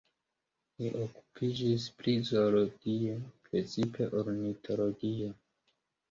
Li okupiĝis pri zoologio, precipe ornitologio.